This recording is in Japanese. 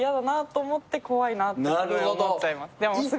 と思って怖いなってすごい思っちゃいます